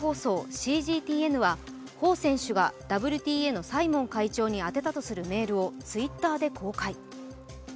ＣＧＴＮはＷＴＡのサイモン会長に宛てたとするメールをＴｗｉｔｔｅｒで公開。